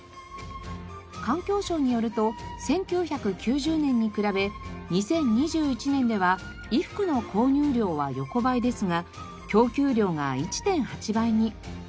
環境省によると１９９０年に比べ２０２１年では衣服の購入量は横ばいですが供給量が１．８倍に。